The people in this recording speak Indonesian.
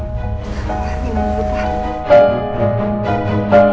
ini bukti pa